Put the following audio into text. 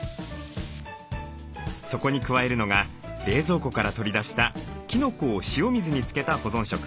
そこに加えるのが冷蔵庫から取り出したきのこを塩水に漬けた保存食。